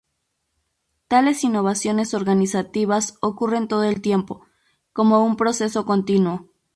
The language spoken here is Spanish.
Tales innovaciones organizativas ocurren todo el tiempo, como un proceso continuo.